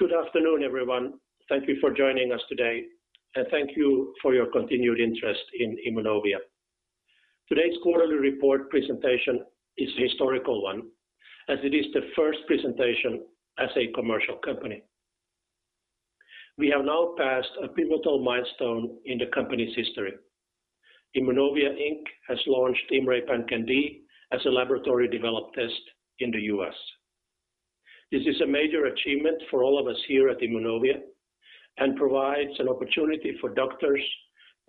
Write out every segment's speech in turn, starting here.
Good afternoon, everyone. Thank you for joining us today, and thank you for your continued interest in Immunovia. Today's quarterly report presentation is a historical one, as it is the first presentation as a commercial company. We have now passed a pivotal milestone in the company's history. Immunovia Inc. has launched IMMray PanCan-d as a laboratory developed test in the U.S. This is a major achievement for all of us here at Immunovia, and provides an opportunity for doctors,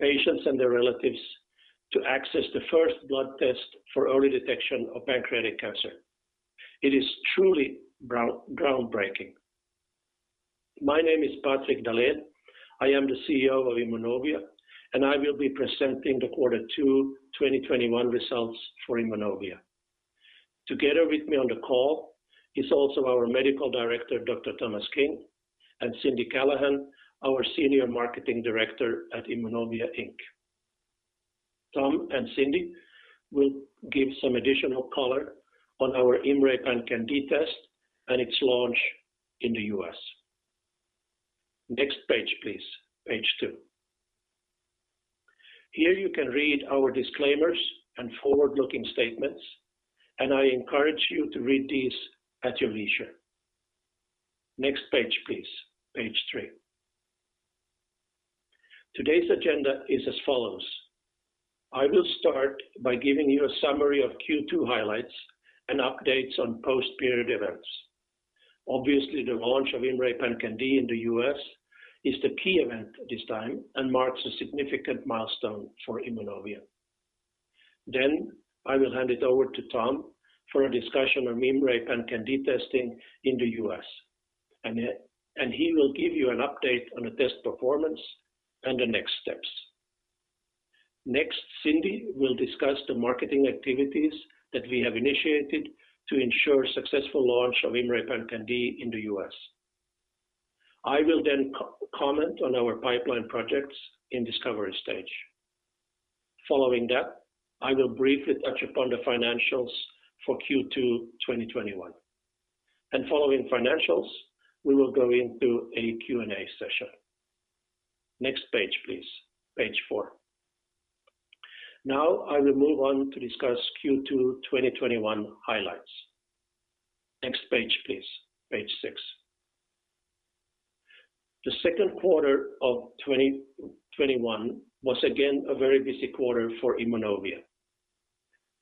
patients, and their relatives to access the first blood test for early detection of pancreatic cancer. It is truly groundbreaking. My name is Patrik Dahlen. I am the CEO of Immunovia, and I will be presenting the Q2 2021 results for Immunovia. Together with me on the call is also our medical director, Dr. Thomas King, and Cindy Callahan, our senior marketing director at Immunovia Inc. Tom and Cindy will give some additional color on our IMMray PanCan-d test and its launch in the U.S. Next page, please. Page 2. Here you can read our disclaimers and forward-looking statements. I encourage you to read these at your leisure. Next page, please. Page 3. Today's agenda is as follows. I will start by giving you a summary of Q2 highlights and updates on post-period events. Obviously, the launch of IMMray PanCan-d in the U.S. is the key event at this time and marks a significant milestone for Immunovia. I will hand it over to Tom for a discussion on IMMray PanCan-d testing in the U.S. He will give you an update on the test performance and the next steps. Next, Cindy will discuss the marketing activities that we have initiated to ensure successful launch of IMMray PanCan-d in the U.S. I will then comment on our pipeline projects in discovery stage. Following that, I will briefly touch upon the financials for Q2 2021. Following financials, we will go into a Q&A session. Next page, please. Page 4. Now I will move on to discuss Q2 2021 highlights. Next page, please. Page 6. The second quarter of 2021 was again a very busy quarter for Immunovia.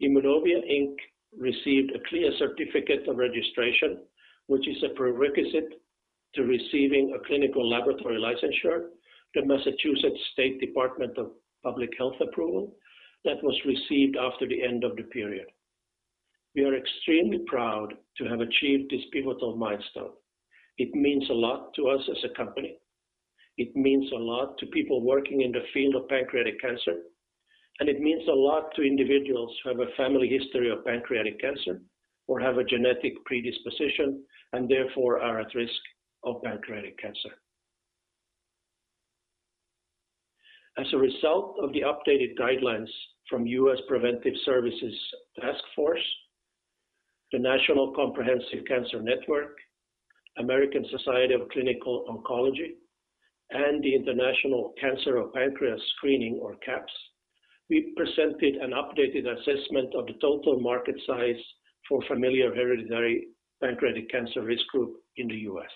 Immunovia Inc. received a CLIA certificate of registration, which is a prerequisite to receiving a clinical laboratory licensure, the Massachusetts Department of Public Health approval that was received after the end of the period. We are extremely proud to have achieved this pivotal milestone. It means a lot to us as a company. It means a lot to people working in the field of pancreatic cancer, and it means a lot to individuals who have a family history of pancreatic cancer or have a genetic predisposition, and therefore are at risk of pancreatic cancer. As a result of the updated guidelines from U.S. Preventive Services Task Force, the National Comprehensive Cancer Network, American Society of Clinical Oncology, and the International Cancer of Pancreas Screening or CAPS, we presented an updated assessment of the total market size for familiar hereditary pancreatic cancer risk group in the U.S.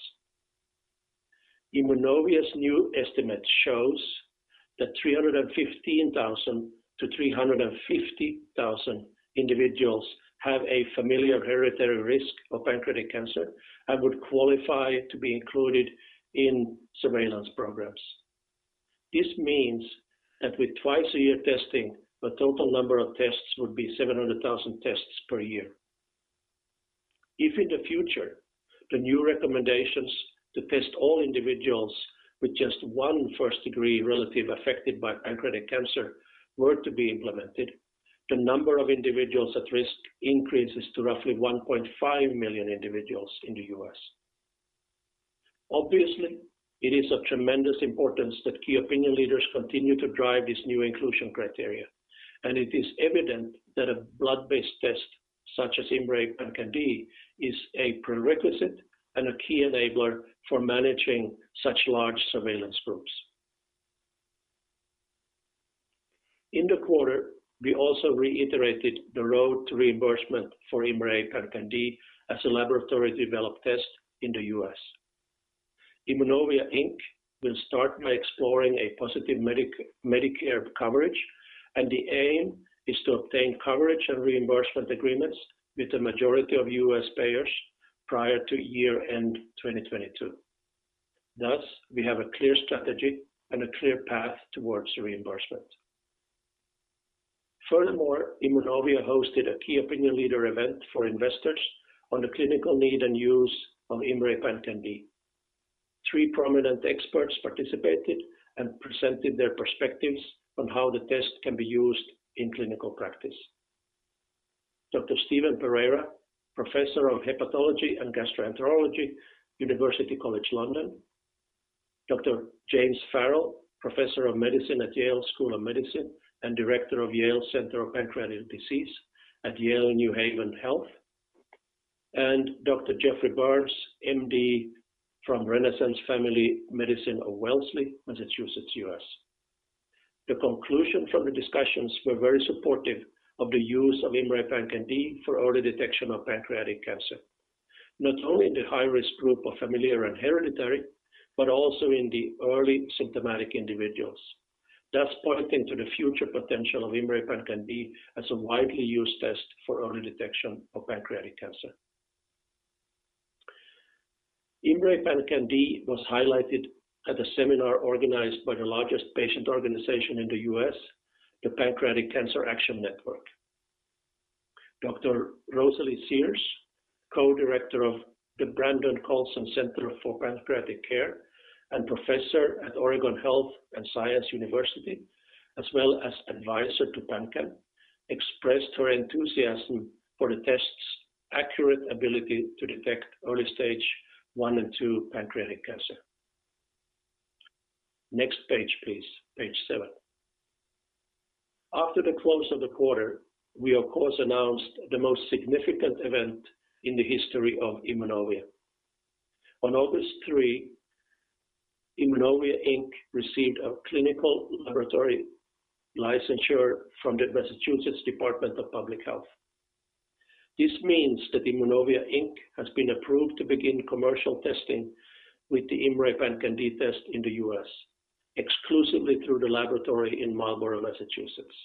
Immunovia's new estimate shows that 315,000 to 350,000 individuals have a familiar hereditary risk of pancreatic cancer and would qualify to be included in surveillance programs. This means that with twice-a-year testing, the total number of tests would be 700,000 tests per year. If in the future, the new recommendations to test all individuals with just one first-degree relative affected by pancreatic cancer were to be implemented, the number of individuals at risk increases to roughly 1.5 million individuals in the U.S. Obviously, it is of tremendous importance that key opinion leaders continue to drive this new inclusion criteria, and it is evident that a blood-based test such as IMMray PanCan-d, is a prerequisite and a key enabler for managing such large surveillance groups. In the quarter, we also reiterated the road to reimbursement for IMMray PanCan-d as a laboratory developed test in the U.S. Immunovia Inc. will start by exploring a positive Medicare coverage, and the aim is to obtain coverage and reimbursement agreements with the majority of U.S. payers prior to year-end 2022. We have a clear strategy and a clear path towards reimbursement. Immunovia hosted a key opinion leader event for investors on the clinical need and use of IMMray PanCan-d. Three prominent experts participated and presented their perspectives on how the test can be used in clinical practice. Dr. Stephen Pereira, professor of hepatology and gastroenterology, University College London, Dr. James Farrell, Professor of Medicine at Yale School of Medicine and Director of Yale Center for Pancreatic Disease at Yale New Haven Health, and Dr. Geoffrey Burns, MD from Renaissance Family Medicine of Wellesley, Massachusetts, U.S. The conclusion from the discussions were very supportive of the use of IMMray PanCan-d for early detection of pancreatic cancer, not only in the high-risk group of familial and hereditary, but also in the early symptomatic individuals, thus pointing to the future potential of IMMray PanCan-d as a widely used test for early detection of pancreatic cancer. IMMray PanCan-d was highlighted at a seminar organized by the largest patient organization in the U.S., the Pancreatic Cancer Action Network. Dr. Rosalie Sears, co-director of the Brenden-Colson Center for Pancreatic Care and professor at Oregon Health & Science University, as well as advisor to PanCAN, expressed her enthusiasm for the test's accurate ability to detect early stage 1 and 2 pancreatic cancer. Next page, please. Page 7. After the close of the quarter, we, of course, announced the most significant event in the history of Immunovia. On August 3, Immunovia Inc. received a clinical laboratory licensure from the Massachusetts Department of Public Health. This means that Immunovia Inc. has been approved to begin commercial testing with the IMMray PanCan-d test in the U.S., exclusively through the laboratory in Marlborough, Massachusetts.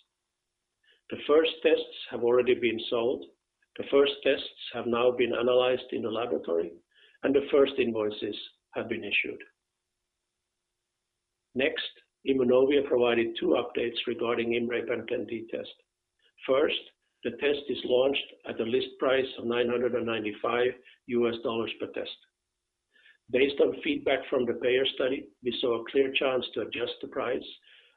The first tests have already been sold. The first tests have now been analyzed in the laboratory, and the first invoices have been issued. Next, Immunovia provided two updates regarding IMMray PanCan-d test. First, the test is launched at a list price of $995 per test. Based on feedback from the payer study, we saw a clear chance to adjust the price,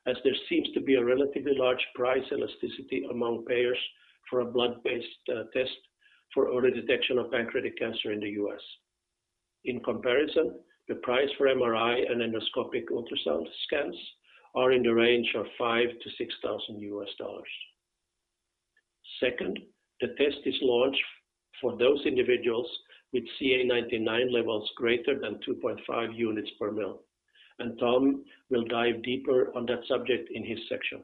as there seems to be a relatively large price elasticity among payers for a blood-based test for early detection of pancreatic cancer in the U.S. In comparison, the price for MRI and endoscopic ultrasound scans are in the range of $5,000-$6,000. Second, the test is launched for those individuals with CA19-9 levels greater than 2.5 units per mL, and Tom will dive deeper on that subject in his section.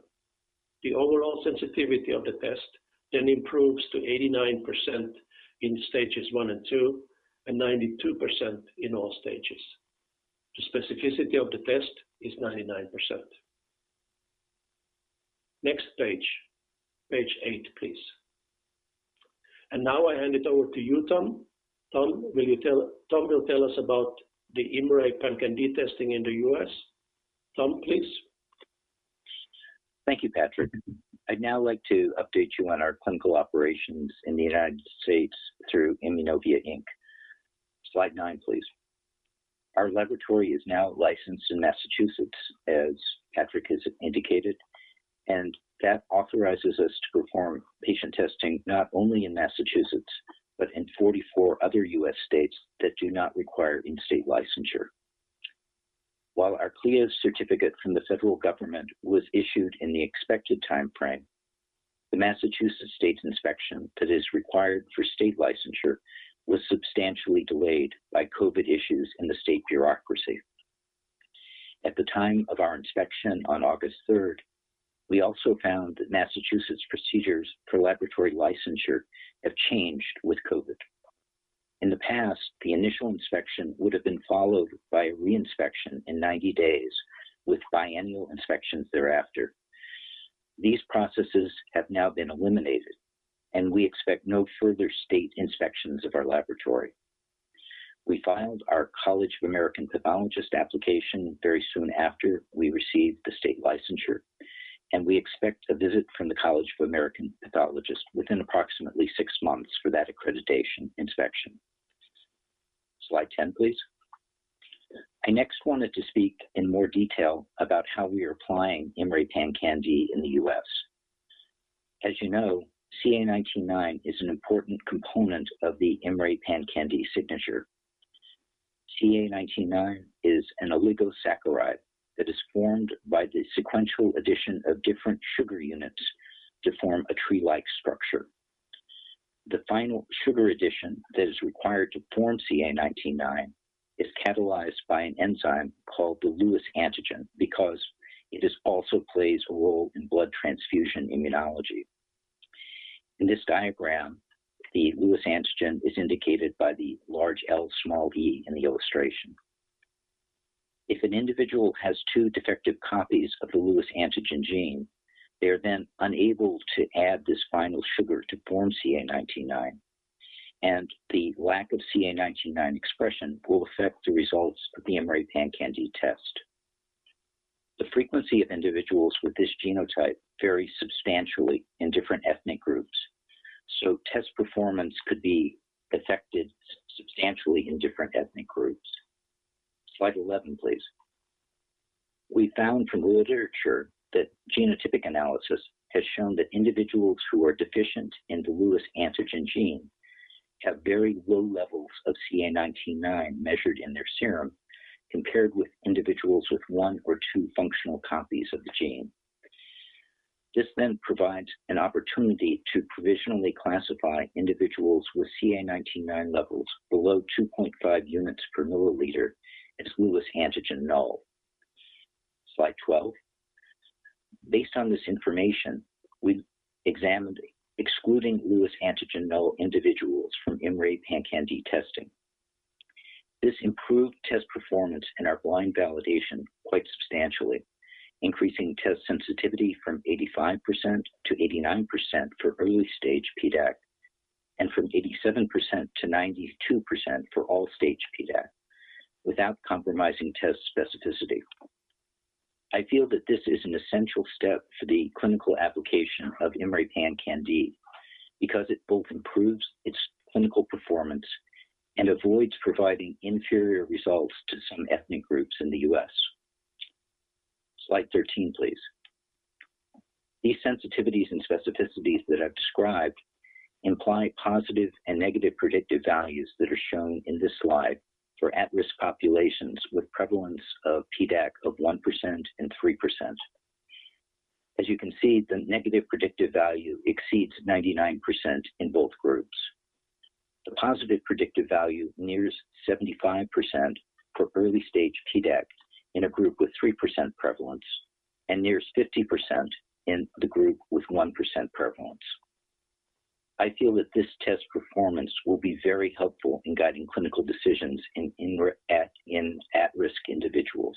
The overall sensitivity of the test improves to 89% in stages 1 and 2, and 92% in all stages. The specificity of the test is 99%. Next page. Page 8, please. Now I hand it over to you, Tom. Tom will tell us about the IMMray PanCan-d testing in the U.S. Tom, please. Thank you, Patrik. I'd now like to update you on our clinical operations in the United States through Immunovia Inc. Slide 9, please. Our laboratory is now licensed in Massachusetts, as Patrik has indicated, and that authorizes us to perform patient testing not only in Massachusetts, but in 44 other U.S. states that do not require in-state licensure. While our CLIA certificate from the federal government was issued in the expected timeframe, the Massachusetts state inspection that is required for state licensure was substantially delayed by COVID issues in the state bureaucracy. At the time of our inspection on August 3rd, we also found that Massachusetts procedures for laboratory licensure have changed with COVID. In the past, the initial inspection would have been followed by a re-inspection in 90 days, with biannual inspections thereafter. These processes have now been eliminated. We expect no further state inspections of our laboratory. We filed our College of American Pathologists application very soon after we received the state licensure, and we expect a visit from the College of American Pathologists within approximately six months for that accreditation inspection. Slide 10, please. I next wanted to speak in more detail about how we are applying IMMray PanCan-d in the U.S. As you know, CA19-9 is an important component of the IMMray PanCan-d signature. CA19-9 is an oligosaccharide that is formed by the sequential addition of different sugar units to form a tree-like structure. The final sugar addition that is required to form CA19-9 is catalyzed by an enzyme called the Lewis antigen, because it also plays a role in blood transfusion immunology. In this diagram, the Lewis antigen is indicated by the large L, small E in the illustration. If an individual has two defective copies of the Lewis antigen gene, they are then unable to add this final sugar to form CA19-9, and the lack of CA19-9 expression will affect the results of the IMMray PanCan-d test. The frequency of individuals with this genotype vary substantially in different ethnic groups. Test performance could be affected substantially in different ethnic groups. Slide 11, please. We found from literature that genotypic analysis has shown that individuals who are deficient in the Lewis antigen gene have very low levels of CA19-9 measured in their serum compared with individuals with 1 or 2 functional copies of the gene. This then provides an opportunity to provisionally classify individuals with CA19-9 levels below 2.5 units per mL as Lewis antigen null. Slide 12. Based on this information, we examined excluding Lewis antigen null individuals from IMMray PanCan-d testing. This improved test performance in our blind validation quite substantially, increasing test sensitivity from 85% to 89% for early-stage PDAC and from 87% to 92% for all-stage PDAC without compromising test specificity. I feel that this is an essential step for the clinical application of IMMray PanCan-d because it both improves its clinical performance and avoids providing inferior results to some ethnic groups in the U.S. Slide 13, please. These sensitivities and specificities that I've described imply positive and negative predictive values that are shown in this slide for at-risk populations with prevalence of PDAC of 1% and 3%. As you can see, the negative predictive value exceeds 99% in both groups. The positive predictive value nears 75% for early-stage PDAC in a group with 3% prevalence and nears 50% in the group with 1% prevalence. I feel that this test performance will be very helpful in guiding clinical decisions in at-risk individuals.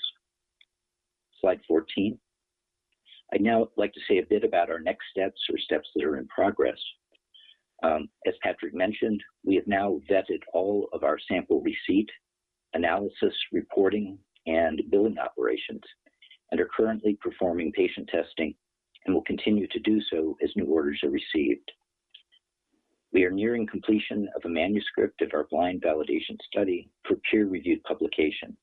Slide 14. I'd now like to say a bit about our next steps or steps that are in progress. As Patrik mentioned, we have now vetted all of our sample receipt, analysis, reporting, and billing operations and are currently performing patient testing and will continue to do so as new orders are received. We are nearing completion of a manuscript of our blind validation study for peer-reviewed publication.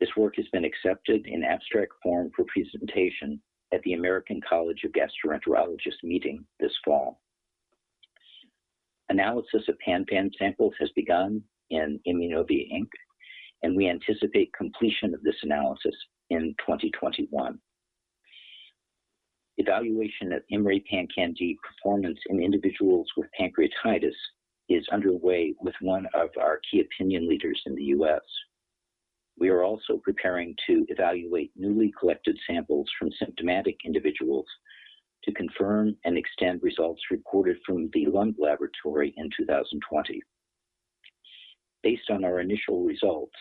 This work has been accepted in abstract form for presentation at the American College of Gastroenterology meeting this fall. Analysis of PanFAM samples has begun in Immunovia Inc., and we anticipate completion of this analysis in 2021. Evaluation of IMMray PanCan-d performance in individuals with pancreatitis is underway with one of our key opinion leaders in the U.S. We are also preparing to evaluate newly collected samples from symptomatic individuals to confirm and extend results reported from the Lund Laboratory in 2020. Based on our initial results,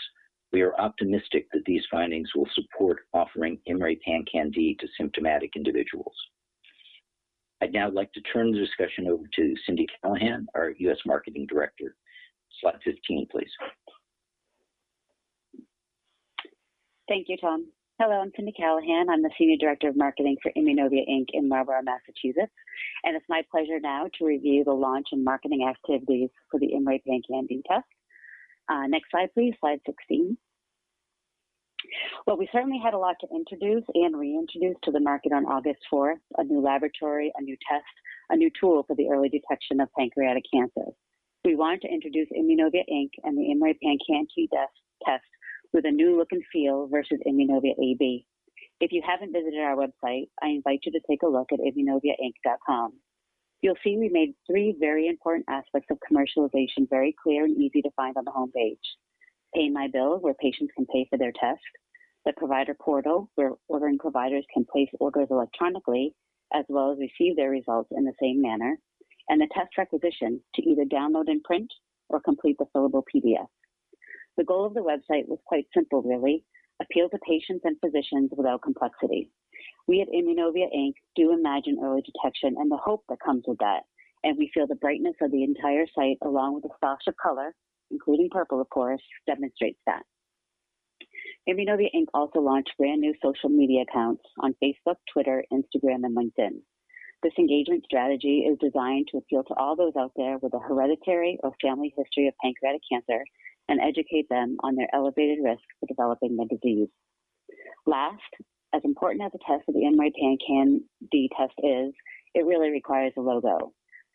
we are optimistic that these findings will support offering IMMray PanCan-d to symptomatic individuals. I'd now like to turn the discussion over to Cindy Callahan, our U.S. marketing director. Slide 15, please. Thank you, Tom. Hello, I'm Cindy Callahan. I'm the senior director of marketing for Immunovia Inc. in Marlborough, Massachusetts, and it's my pleasure now to review the launch and marketing activities for the IMMray PanCan-d test. Next slide, please. Slide 16. Well, we certainly had a lot to introduce and reintroduce to the market on August 4th, a new laboratory, a new test, a new tool for the early detection of pancreatic cancer. We wanted to introduce Immunovia Inc. and the IMMray PanCan-d test with a new look and feel versus Immunovia AB. If you haven't visited our website, I invite you to take a look at immunoviainc.com. You'll see we made three very important aspects of commercialization very clear and easy to find on the homepage. Pay My Bill, where patients can pay for their test, the Provider Portal, where ordering providers can place orders electronically as well as receive their results in the same manner, and the Test Requisition to either download and print or complete the fillable PDF. The goal of the website was quite simple, really. Appeal to patients and physicians without complexity. We at Immunovia Inc. do imagine early detection and the hope that comes with that, and we feel the brightness of the entire site along with the splash of color, including purple of course, demonstrates that. Immunovia Inc. also launched brand-new social media accounts on Facebook, Twitter, Instagram, and LinkedIn. This engagement strategy is designed to appeal to all those out there with a hereditary or family history of pancreatic cancer and educate them on their elevated risk for developing the disease. Last, as important as a test for the IMMray PanCan-d test is, it really requires a logo.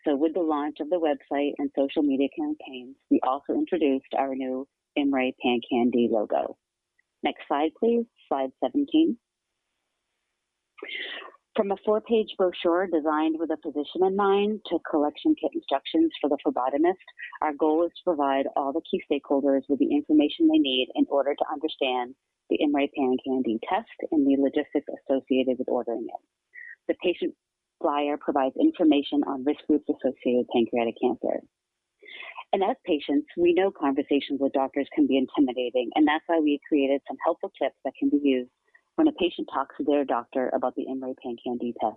With the launch of the website and social media campaigns, we also introduced our new IMMray PanCan-d logo. Next slide, please. Slide 17. From a four-page brochure designed with a physician in mind to collection kit instructions for the phlebotomist, our goal is to provide all the key stakeholders with the information they need in order to understand the IMMray PanCan-d test and the logistics associated with ordering it. The patient flyer provides information on risk groups associated with pancreatic cancer. As patients, we know conversations with doctors can be intimidating, and that's why we created some helpful tips that can be used when a patient talks with their doctor about the IMMray PanCan-d test.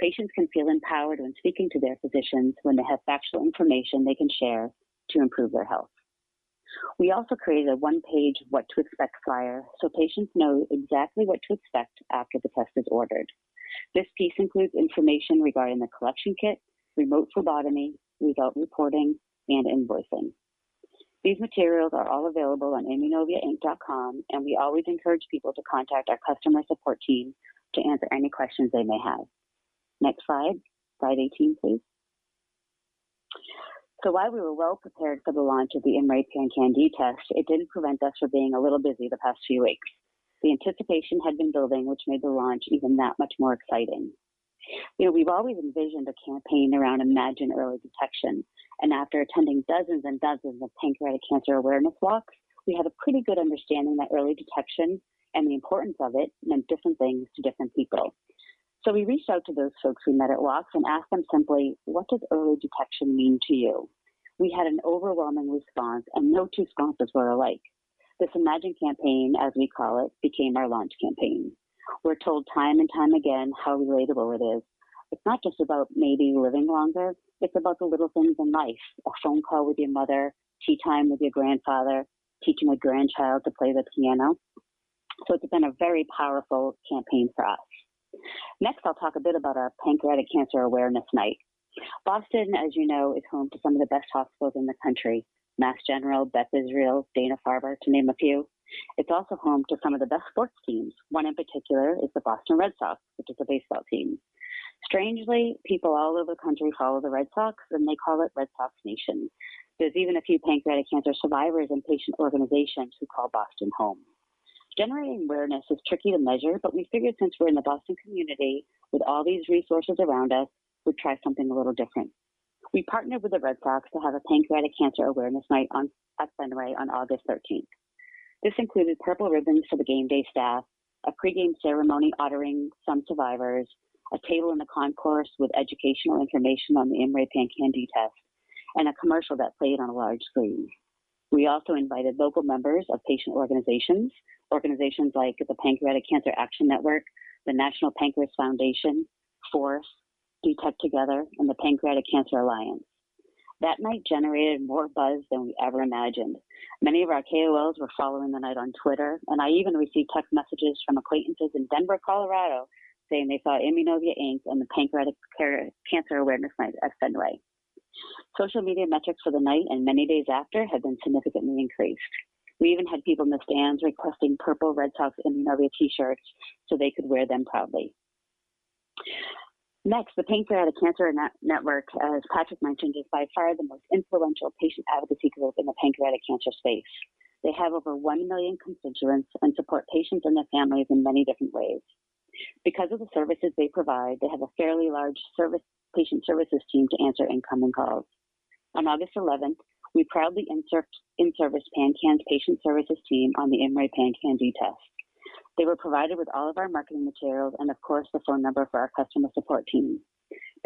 Patients can feel empowered when speaking to their physicians when they have factual information they can share to improve their health. We also created a one-page what to expect flyer so patients know exactly what to expect after the test is ordered. This piece includes information regarding the collection kit, remote phlebotomy, result reporting, and invoicing. These materials are all available on immunoviainc.com, and we always encourage people to contact our customer support team to answer any questions they may have. Next slide. Slide 18, please. While we were well-prepared for the launch of the IMMray PanCan-d test, it didn't prevent us from being a little busy the past few weeks. The anticipation had been building, which made the launch even that much more exciting. We've always envisioned a campaign around Imagine Early Detection. After attending dozens and dozens of pancreatic cancer awareness walks, we have a pretty good understanding that early detection and the importance of it meant different things to different people. We reached out to those folks we met at walks and asked them simply, "What does early detection mean to you?" We had an overwhelming response. No two responses were alike. This Imagine campaign, as we call it, became our launch campaign. We're told time and time again how relatable it is. It's not just about maybe living longer. It's about the little things in life, a phone call with your mother, tea time with your grandfather, teaching a grandchild to play the piano. It's been a very powerful campaign for us. Next, I'll talk a bit about our Pancreatic Cancer Awareness Night. Boston, as you know, is home to some of the best hospitals in the country, Mass General, Beth Israel, Dana-Farber, to name a few. It's also home to some of the best sports teams. One in particular is the Boston Red Sox, which is a baseball team. Strangely, people all over the country follow the Red Sox, and they call it Red Sox Nation. There's even a few pancreatic cancer survivors and patient organizations who call Boston home. Generating awareness is tricky to measure, but we figured since we're in the Boston community with all these resources around us, we'd try something a little different. We partnered with the Red Sox to have a Pancreatic Cancer Awareness Night at Fenway on August 13th. This included purple ribbons for the game day staff, a pregame ceremony honoring some survivors, a table in the concourse with educational information on the IMMray PanCan-d test, and a commercial that played on a large screen. We also invited local members of patient organizations like the Pancreatic Cancer Action Network, the National Pancreas Foundation, [FORCE]: DetecTogether, and the Pancreatic Cancer Alliance. That night generated more buzz than we ever imagined. Many of our KOLs were following the night on Twitter, and I even received text messages from acquaintances in Denver, Colorado, saying they saw Immunovia Inc. on the Pancreatic Cancer Awareness Night at Fenway. Social media metrics for the night and many days after have been significantly increased. We even had people in the stands requesting purple Red Sox Immunovia T-shirts so they could wear them proudly. The Pancreatic Cancer Action Network, as Patrik mentioned, is by far the most influential patient advocacy group in the pancreatic cancer space. They have over 1 million constituents and support patients and their families in many different ways. Because of the services they provide, they have a fairly large patient services team to answer incoming calls. On August 11th, we proudly in-serviced PanCAN's patient services team on the IMMray PanCan-d test. They were provided with all of our marketing materials and, of course, the phone number for our customer support team.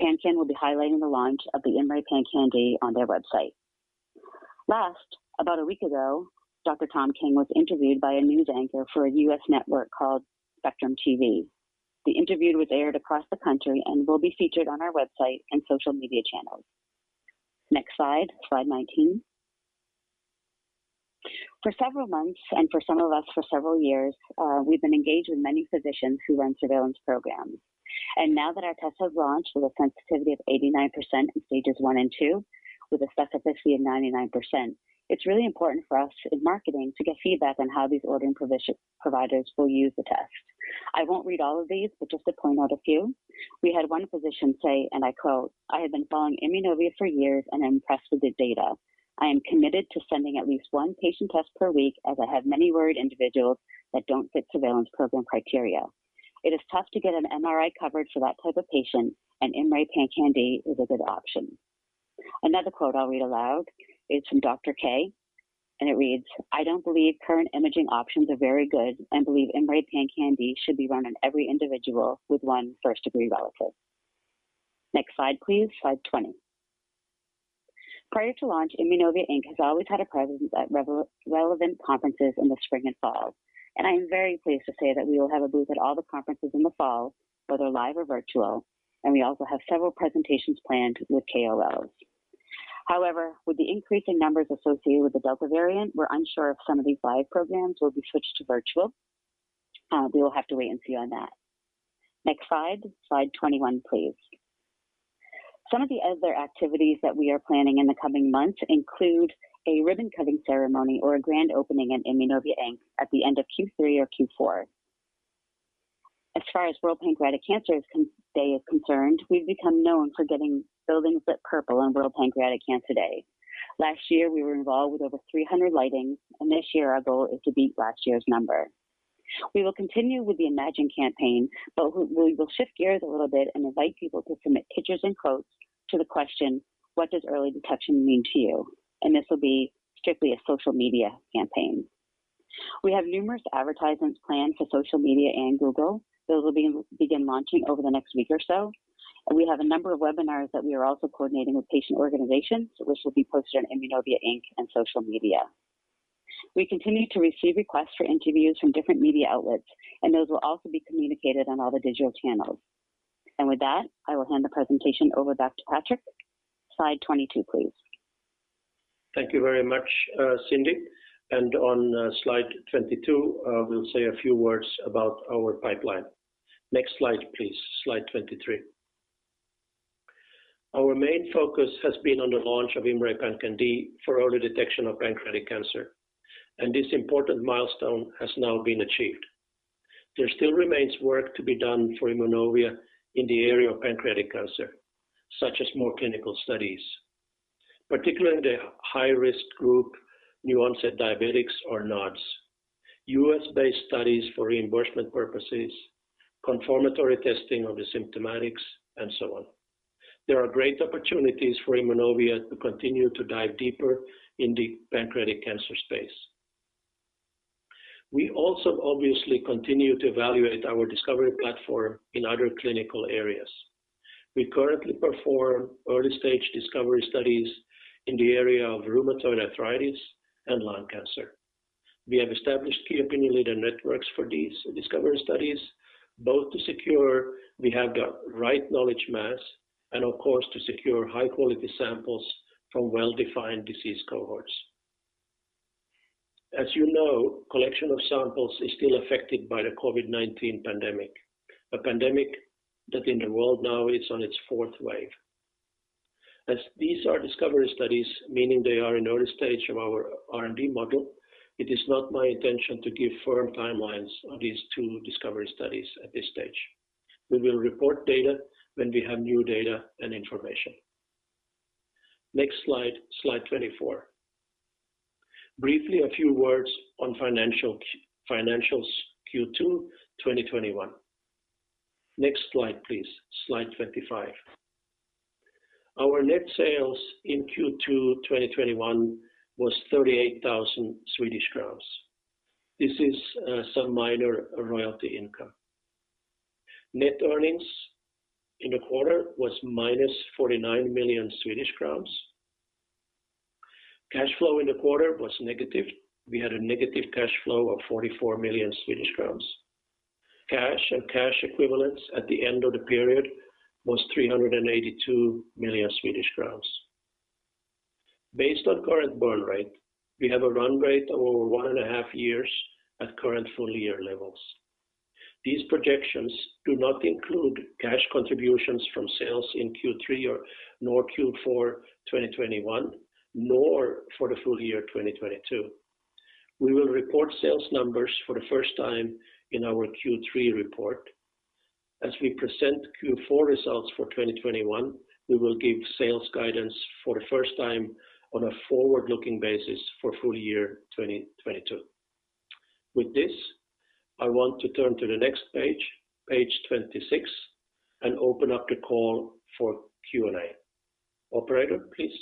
PanCAN will be highlighting the launch of the IMMray PanCan-d on their website. About a week ago, Dr. Thomas King was interviewed by a news anchor for a U.S. network called Spectrum News. The interview was aired across the country and will be featured on our website and social media channels. Slide 19. For several months, and for some of us, for several years, we've been engaged with many physicians who run surveillance programs. Now that our test has launched with a sensitivity of 89% in stages 1 and 2, with a specificity of 99%, it's really important for us in marketing to get feedback on how these ordering providers will use the test. I won't read all of these, but just to point out a few. We had one physician say, and I quote, "I have been following Immunovia for years and am impressed with the data. I am committed to sending at least one patient test per week as I have many worried individuals that don't fit surveillance program criteria. It is tough to get an MRI covered for that type of patient, and IMMray PanCan-d is a good option." Another quote I'll read aloud is from Dr. K, and it reads, "I don't believe current imaging options are very good and believe IMMray PanCan-d should be run on every individual with one first-degree relative." Next slide, please. Slide 20. Prior to launch, Immunovia Inc. has always had a presence at relevant conferences in the spring and fall. I am very pleased to say that we will have a booth at all the conferences in the fall, whether live or virtual, and we also have several presentations planned with KOLs. With the increase in numbers associated with the Delta variant, we're unsure if some of these live programs will be switched to virtual. We will have to wait and see on that. Next slide 21, please. Some of the other activities that we are planning in the coming months include a ribbon-cutting ceremony or a grand opening at Immunovia Inc. at the end of Q3 or Q4. As far as World Pancreatic Cancer Day is concerned, we've become known for getting buildings lit purple on World Pancreatic Cancer Day. Last year, we were involved with over 300 lightings, and this year, our goal is to beat last year's number. We will continue with the Imagine campaign, but we will shift gears a little bit and invite people to submit pictures and quotes to the question, what does early detection mean to you? This will be strictly a social media campaign. We have numerous advertisements planned for social media and Google. Those will begin launching over the next week or so. We have a number of webinars that we are also coordinating with patient organizations, which will be posted on Immunovia Inc. and social media. We continue to receive requests for interviews from different media outlets, and those will also be communicated on all the digital channels. With that, I will hand the presentation over back to Patrik. Slide 22, please. Thank you very much, Cindy. On slide 22, we'll say a few words about our pipeline. Next slide, please. Slide 23. Our main focus has been on the launch of IMMray PanCan-d for early detection of pancreatic cancer, and this important milestone has now been achieved. There still remains work to be done for Immunovia in the area of pancreatic cancer, such as more clinical studies, particularly in the high-risk group, new-onset diabetics or NODs, U.S.-based studies for reimbursement purposes, confirmatory testing of the symptomatics, and so on. There are great opportunities for Immunovia to continue to dive deeper in the pancreatic cancer space. We also obviously continue to evaluate our discovery platform in other clinical areas. We currently perform early-stage discovery studies in the area of rheumatoid arthritis and lung cancer. We have established key opinion leader networks for these discovery studies, both to secure we have the right knowledge mass and of course, to secure high-quality samples from well-defined disease cohorts. As you know, collection of samples is still affected by the COVID-19 pandemic, a pandemic that in the world now is on its fourth wave. As these are discovery studies, meaning they are in early stage of our R&D model, it is not my intention to give firm timelines on these two discovery studies at this stage. We will report data when we have new data and information. Next slide 24. Briefly, a few words on financials Q2 2021. Next slide, please. Slide 25. Our net sales in Q2 2021 was 38,000 Swedish crowns. This is some minor royalty income. Net earnings in the quarter was minus 49 million Swedish crowns. Cash flow in the quarter was negative. We had a negative cash flow of 44 million Swedish crowns. Cash and cash equivalents at the end of the period was 382 million Swedish crowns. Based on current burn rate, we have a run rate of over one and a half years at current full year levels. These projections do not include cash contributions from sales in Q3 nor Q4 2021, nor for the full year 2022. We will report sales numbers for the first time in our Q3 report. As we present Q4 results for 2021, we will give sales guidance for the first time on a forward-looking basis for full year 2022. With this, I want to turn to the next page 26, and open up the call for Q&A. Operator, please.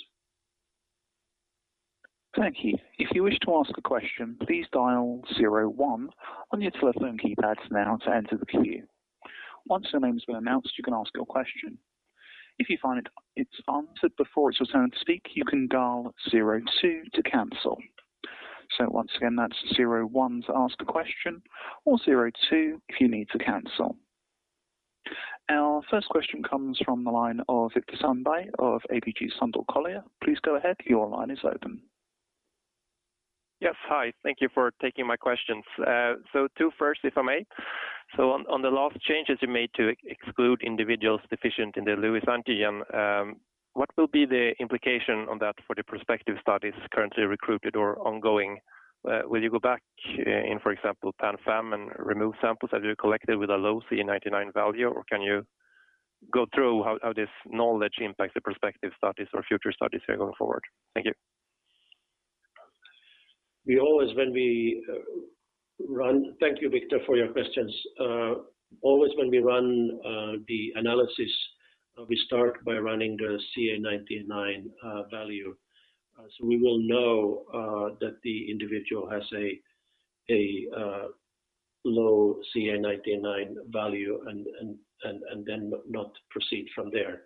Thank you. If you wish to ask a question, please dial zero one on your telephone keypads now to enter the queue. Once your name has been announced, you can ask your question. If you find it's answered before it's your turn to speak, you can dial zero two to cancel. Once again, that's zero one to ask a question or zero two if you need to cancel. Our first question comes from the line of [Viktor Sundberg,] of ABG Sundal Collier. Please go ahead. Your line is open. Yes. Hi. Thank you for taking my questions. Two first, if I may. On the last changes you made to exclude individuals deficient in the Lewis antigen, what will be the implication on that for the prospective studies currently recruited or ongoing? Will you go back in, for example, PanFAM-1 and remove samples that you collected with a low CA19-9 value or can you go through how this knowledge impacts the prospective studies or future studies here going forward? Thank you. Thank you, Viktor, for your questions. Always when we run the analysis, we start by running the CA19-9 value. We will know that the individual has a low CA19-9 value and then not proceed from there,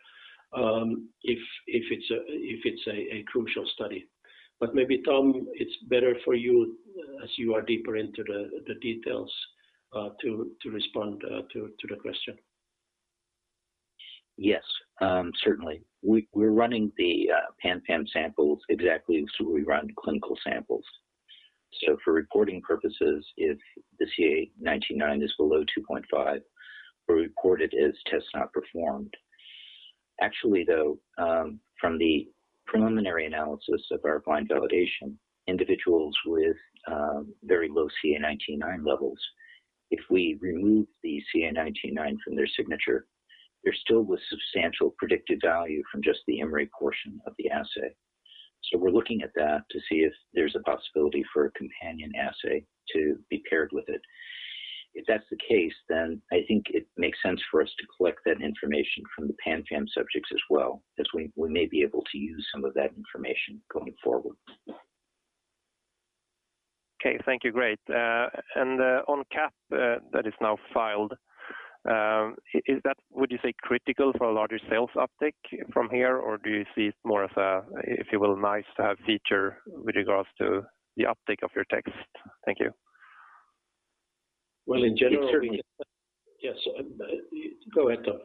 if it's a crucial study. Maybe Tom, it's better for you as you are deeper into the details to respond to the question. Yes. Certainly. We're running the PanFAM-1 samples exactly as we run clinical samples. For reporting purposes, if the CA19-9 is below 2.5, we report it as test not performed. Actually, though, from the preliminary analysis of our blind validation, individuals with very low CA19-9 levels, if we remove the CA19-9 from their signature, there still was substantial predictive value from just the IMMray portion of the assay. We're looking at that to see if there's a possibility for a companion assay to be paired with it. If that's the case, then I think it makes sense for us to collect that information from the PanFAM-1 subjects as well, as we may be able to use some of that information going forward. Okay. Thank you. Great. On CAP that is now filed, is that would you say critical for a larger sales uptick from here or do you see it more as a, if you will, nice to have feature with regards to the uptick of your test? Thank you. Well. It certainly- Yes. Go ahead, Tom.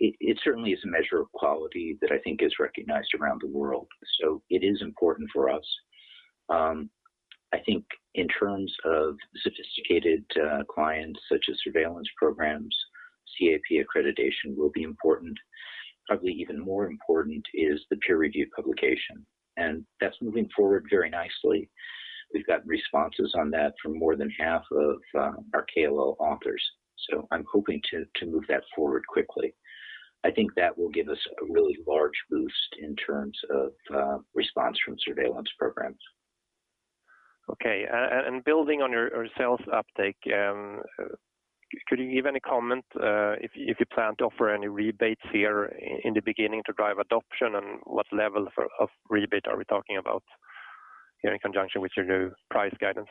It certainly is a measure of quality that I think is recognized around the world. It is important for us. I think in terms of sophisticated clients such as surveillance programs, CAP accreditation will be important. Probably even more important is the peer review publication. That's moving forward very nicely. We've got responses on that from more than half of our KOL authors. I'm hoping to move that forward quickly. I think that will give us a really large boost in terms of response from surveillance programs. Okay. Building on your sales uptake, could you give any comment if you plan to offer any rebates here in the beginning to drive adoption, and what level of rebate are we talking about here in conjunction with your new price guidance?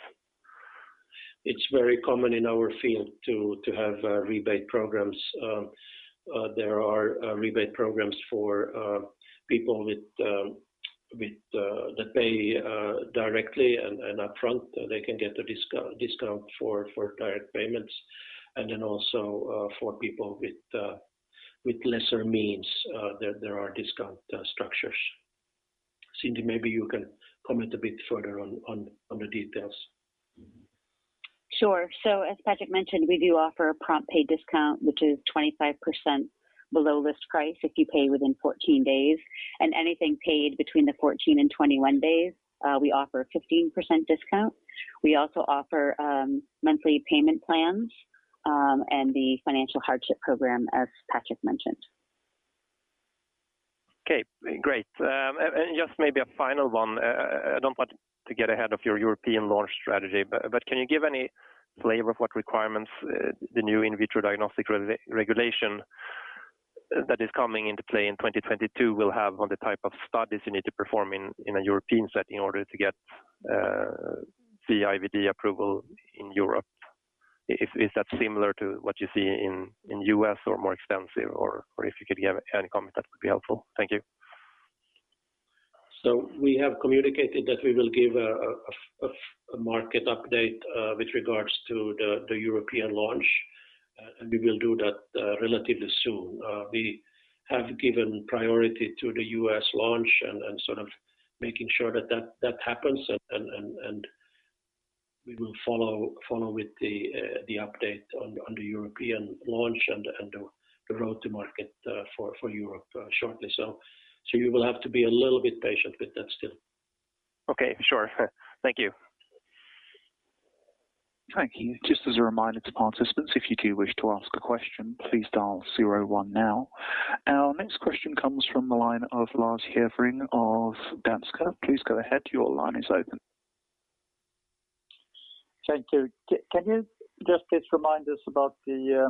It's very common in our field to have rebate programs. There are rebate programs for people that pay directly and upfront. They can get a discount for direct payments. Also for people with lesser means there are discount structures. Cindy, maybe you can comment a bit further on the details. Sure. As Patrik mentioned, we do offer a prompt pay discount, which is 25% below list price if you pay within 14 days. Anything paid between the 14 and 21 days, we offer a 15% discount. We also offer monthly payment plans, and the financial hardship program, as Patrik mentioned. Okay, great. Just maybe a final one. I don't want to get ahead of your European launch strategy, but can you give any flavor of what requirements the new In Vitro Diagnostic Regulation that is coming into play in 2022 will have on the type of studies you need to perform in a European setting in order to get CE-IVD approval in Europe? Is that similar to what you see in U.S. or more extensive, or if you could give any comment, that would be helpful. Thank you. We have communicated that we will give a market update with regards to the European launch, and we will do that relatively soon. We have given priority to the U.S. launch and sort of making sure that that happens, and we will follow with the update on the European launch and the road to market for Europe shortly. You will have to be a little bit patient with that still. Okay, sure. Thank you. Thank you. Just as a reminder to participants, if you do wish to ask a question, please dial 01 now. Our next question comes from the line of Lars Hevreng of Danske. Please go ahead. Your line is open. Thank you. Can you just please remind us about the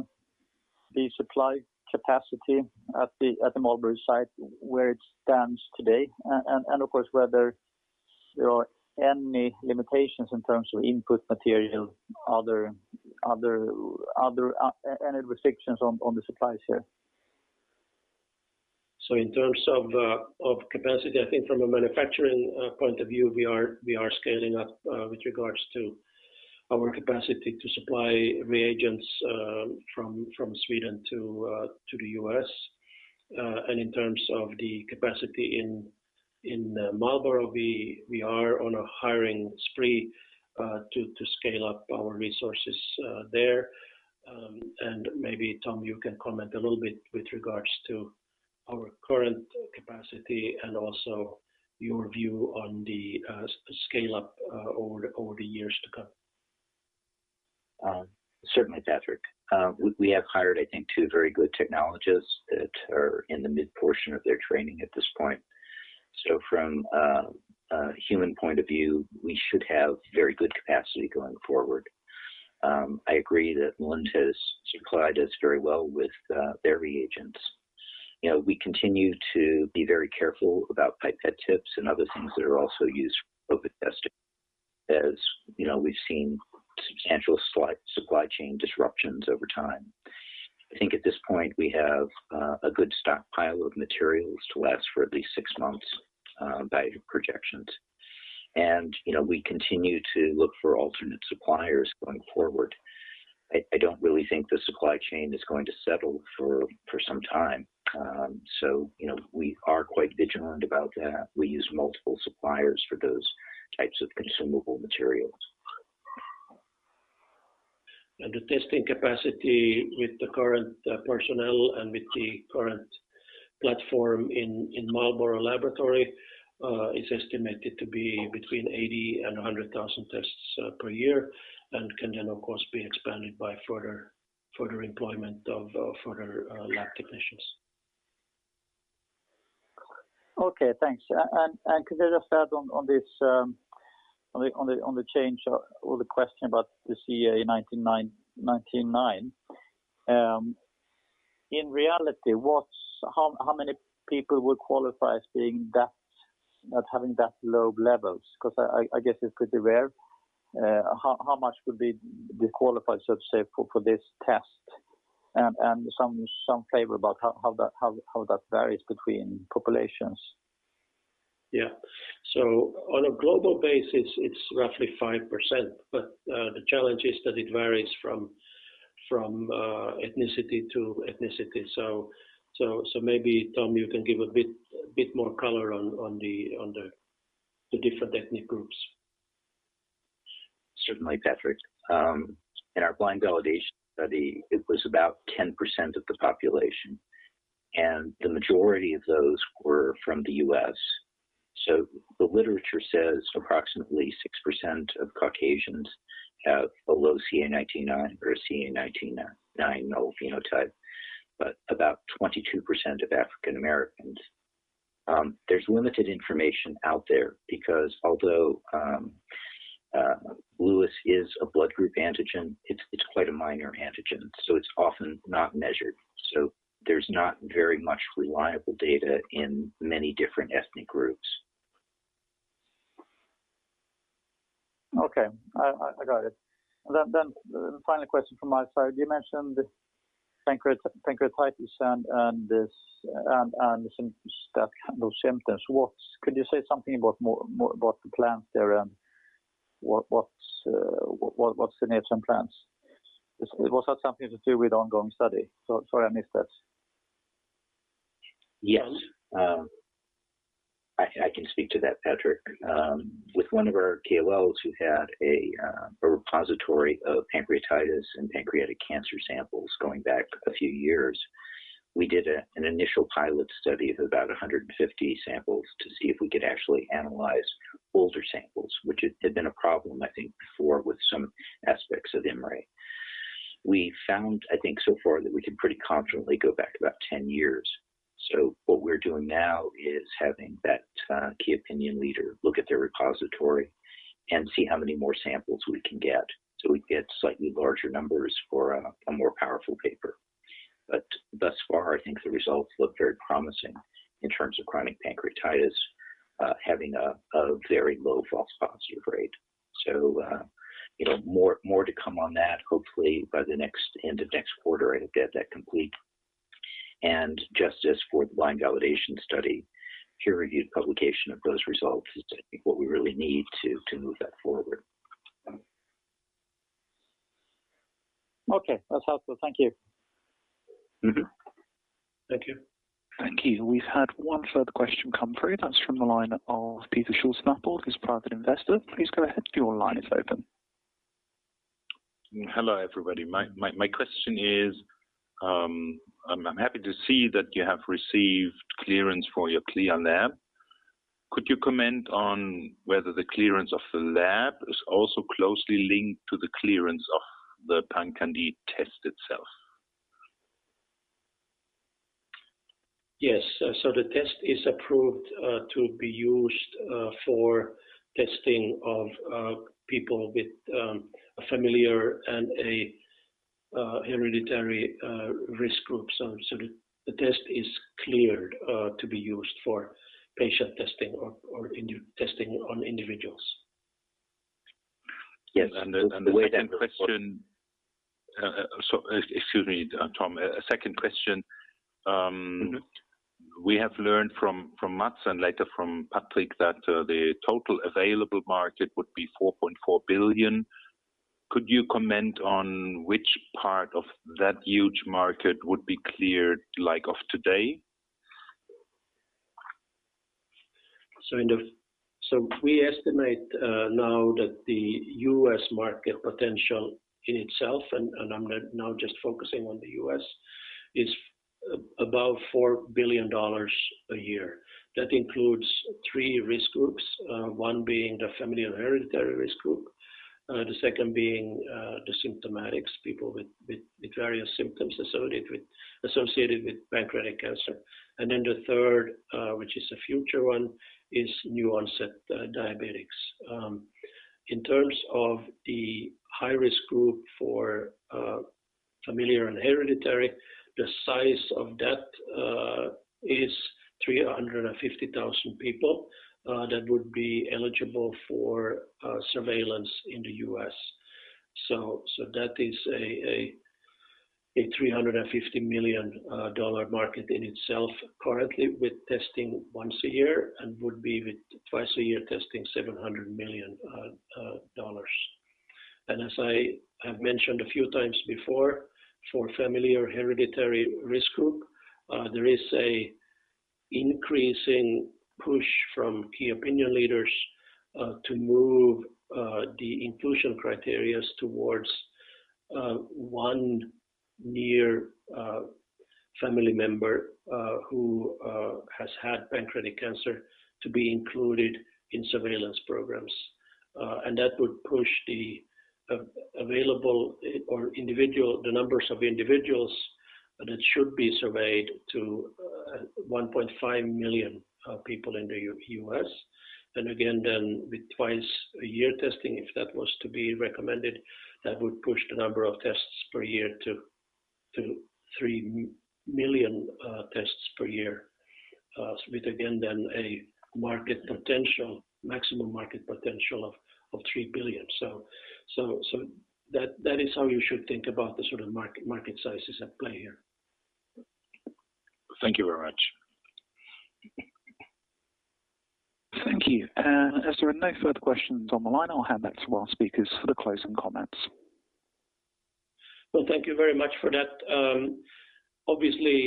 supply capacity at the Marlborough site, where it stands today, and of course, whether there are any limitations in terms of input material, any restrictions on the supplies here? In terms of capacity, I think from a manufacturing point of view, we are scaling up with regards to our capacity to supply reagents from Sweden to the U.S. In terms of the capacity in Marlborough, we are on a hiring spree to scale up our resources there. Maybe, Thomas, you can comment a little bit with regards to our current capacity and also your view on the scale-up over the years to come. Certainly, Patrik. We have hired, I think, two very good technologists that are in the mid-portion of their training at this point. From a human point of view, we should have very good capacity going forward. I agree that Lund supplied us very well with their reagents. We continue to be very careful about pipette tips and other things that are also used for COVID testing. As you know, we've seen substantial supply chain disruptions over time. I think at this point, we have a good stockpile of materials to last for at least six months by projections. We continue to look for alternate suppliers going forward. I don't really think the supply chain is going to settle for some time. We are quite vigilant about that. We use multiple suppliers for those types of consumable materials. The testing capacity with the current personnel and with the current platform in Marlborough laboratory is estimated to be between 80 and 100,000 tests per year, and can then, of course, be expanded by further employment of further lab technicians. Okay, thanks. Could I just add on the change or the question about the CA19-9. In reality, how many people would qualify as not having that low levels? Because I guess it's pretty rare. How much would be qualified, so to say, for this test, and some flavor about how that varies between populations. Yeah. On a global basis, it's roughly 5%. The challenge is that it varies from ethnicity to ethnicity. Maybe Tom, you can give a bit more color on the different ethnic groups. Certainly, Patrik. In our blind validation study, it was about 10% of the population, and the majority of those were from the U.S. The literature says approximately 6% of Caucasians have a low CA19-9 or a CA19-9 null phenotype, but about 22% of African Americans. There's limited information out there because although Lewis is a blood group antigen, it's quite a minor antigen, so it's often not measured. There's not very much reliable data in many different ethnic groups. Okay. I got it. The final question from my side, you mentioned the pancreatitis and those symptoms. Could you say something about the plans there, and what's the nature and plans? Was that something to do with ongoing study? Sorry, I missed that. Yes. I can speak to that, Patrik. With one of our KOLs who had a repository of pancreatitis and pancreatic cancer samples going back a few years, we did an initial pilot study of about 150 samples to see if we could actually analyze older samples, which had been a problem, I think, before with some aspects of IMMray. We found, I think so far that we can pretty confidently go back about 10 years. What we're doing now is having that key opinion leader look at their repository and see how many more samples we can get so we get slightly larger numbers for a more powerful paper. But thus far, I think the results look very promising in terms of chronic pancreatitis, having a very low false positive rate. More to come on that. Hopefully by the end of next quarter, I'll get that complete. Just as for the blind validation study, peer-reviewed publication of those results is I think what we really need to move that forward. Okay. That's helpful. Thank you. Thank you. Thank you. We've had one further question come through. That's from the line of [Peter Schultz]. He's a private investor. Please go ahead. Your line is open. Hello, everybody. My question is, I'm happy to see that you have received clearance for your CLIA lab. Could you comment on whether the clearance of the lab is also closely linked to the clearance of the PanCan-d test itself? Yes. The test is approved to be used for testing of people with familial and a hereditary risk group. The test is cleared to be used for patient testing or testing on individuals. Yes. Sorry. Excuse me, Tom. A second question. We have learned from Mats and later from Patrik that the total available market would be $4.4 billion. Could you comment on which part of that huge market would be cleared, like of today? We estimate now that the U.S. market potential in itself, and I'm now just focusing on the U.S., is about $4 billion a year. That includes three risk groups, one being the familial and hereditary risk group, the two being the symptomatics, people with various symptoms associated with pancreatic cancer. The third, which is a future one, is new-onset diabetics. In terms of the high-risk group for familial and hereditary, the size of that is 350,000 people that would be eligible for surveillance in the U.S. That is a $350 million market in itself currently with testing once a year and would be with twice a-year testing, $700 million. As I have mentioned a few times before, for familial hereditary risk group, there is a increasing push from key opinion leaders to move the inclusion criteria towards one near family member who has had pancreatic cancer to be included in surveillance programs. That would push the available or the numbers of individuals that should be surveyed to 1.5 million people in the U.S. Again, then with twice-a-year testing, if that was to be recommended, that would push the number of tests per year to 3 million tests per year, with again, then a maximum market potential of $3 billion. That is how you should think about the sort of market sizes at play here. Thank you very much. Thank you. As there are no further questions on the line, I’ll hand back to our speakers for the closing comments. Thank you very much for that. Obviously,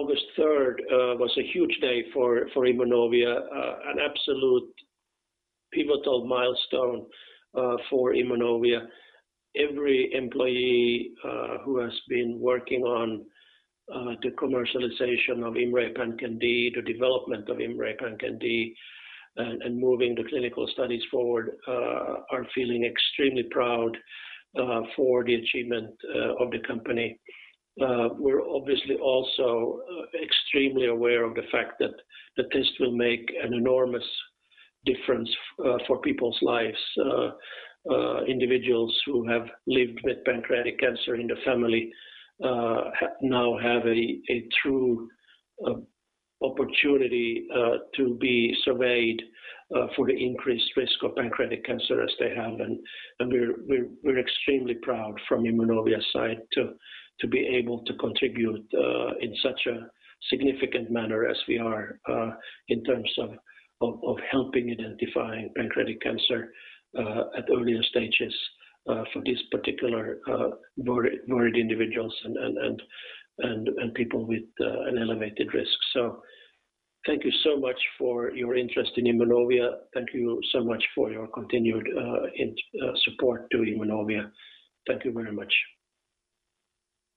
August 3rd was a huge day for Immunovia, an absolute pivotal milestone for Immunovia. Every employee who has been working on the commercialization of IMMray PanCan-d, the development of IMMray PanCan-d, and moving the clinical studies forward are feeling extremely proud for the achievement of the company. We're obviously also extremely aware of the fact that the test will make an enormous difference for people's lives. Individuals who have lived with pancreatic cancer in the family now have a true opportunity to be surveyed for the increased risk of pancreatic cancer as they have been. We're extremely proud from Immunovia's side to be able to contribute in such a significant manner as we are in terms of helping identify pancreatic cancer at earlier stages for these particular worried individuals and people with an elevated risk. Thank you so much for your interest in Immunovia. Thank you so much for your continued support to Immunovia. Thank you very much.